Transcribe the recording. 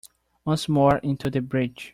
Once more into the breach